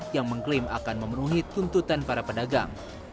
yang mengklaim akan memenuhi tuntutan para pedagang